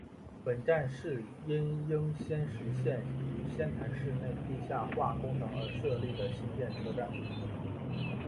本站是因应仙石线于仙台市内地下化工程而设立的新建车站。